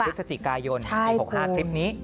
พฤศจิกายนปี๖๕คลิปนี้